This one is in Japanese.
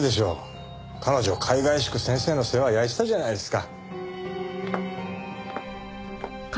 彼女甲斐甲斐しく先生の世話焼いてたじゃないですか。